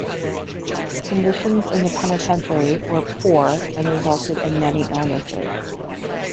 Conditions in the penitentiary were poor and resulted in many illnesses.